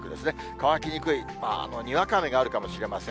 乾きにくい、にわか雨があるかもしれません。